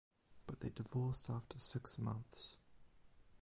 But they divorced after six months.